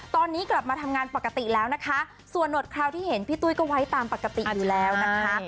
ตอนนี้กลับมาทำงานปกติแล้วนะคะส่วนหนวดคราวที่เห็นพี่ตุ้ยก็ไว้ตามปกติอยู่แล้วนะคะ